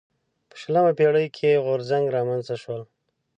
په شلمه پېړۍ کې غورځنګ رامنځته شول.